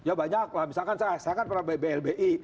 ya banyak lah misalkan saya kan pernah blbi